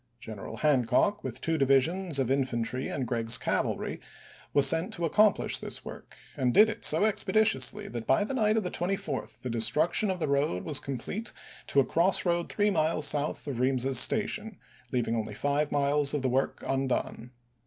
General Hancock, with two divisions of infantry and Gregg's cavalry, was sent to accomplish this work, and did it so expeditiously that by the night of the 24th the destruction of the road was com plete to a cross road three miles south of Reams's Station, leaving only five miles of the work undone.